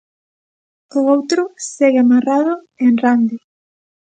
O outro, segue amarrado en Rande.